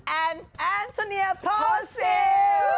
อันน์แอนทรีเนียโพสิล